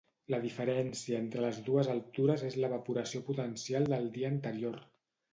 La diferència entre les dues altures és l'evaporació potencial del dia anterior.